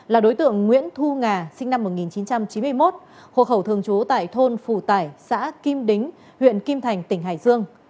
là đối tượng nguyễn thu ngà sinh năm một nghìn chín trăm chín mươi một hộ khẩu thường trú tại thôn phủ tải xã kim đính huyện kim thành tỉnh hải dương